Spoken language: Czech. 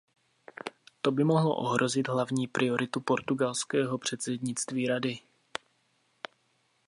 To by mohlo ohrozit hlavní prioritu portugalského předsednictví Rady.